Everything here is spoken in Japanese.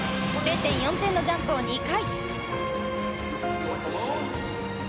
０．４点のジャンプを２回。